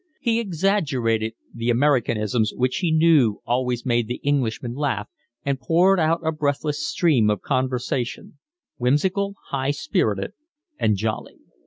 He exaggerated the Americanisms which he knew always made the Englishmen laugh and poured out a breathless stream of conversation, whimsical, high spirited, and jolly.